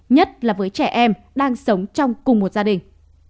nhất là với trẻ em đang sống trong cùng một gia đình